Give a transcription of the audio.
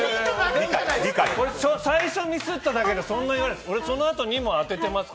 最初ミスっただけでそんなに言われます？